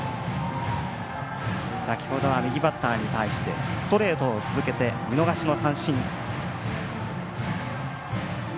先ほどは右バッターに対してストレートを続けて見逃し三振。